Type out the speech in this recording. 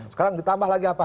sekarang ditambah lagi apa